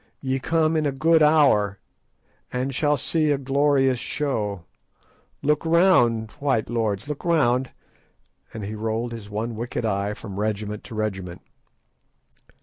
Ye come in a good hour, and shall see a glorious show. Look round, white lords; look round," and he rolled his one wicked eye from regiment to regiment.